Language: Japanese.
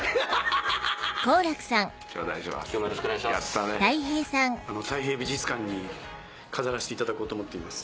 たい平美術館に飾らせていただこうと思っています。